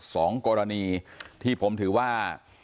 สองกรณีที่ผมถือว่า